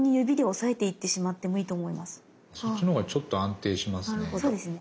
そっちのほうがちょっと安定しますね。